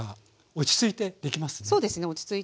落ち着いてできます。